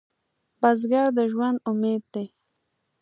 بزګر د ژوند امید دی